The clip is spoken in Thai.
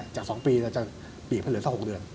จาก๒ปีเราจะปีกเพิ่งเหลือสัก๖เดือน